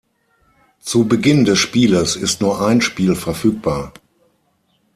Zu Beginn des Spieles ist nur ein Spiel verfügbar.